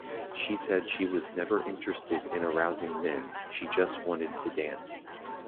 She said she was never interested in arousing men, she just wanted to dance.